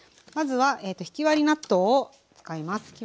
まずはひき割り納豆を使います。